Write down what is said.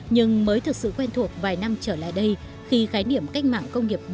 nhưng mới thực sự quen thuộc vài năm trở lại đây khi khái niệm cách mạng công nghiệp bốn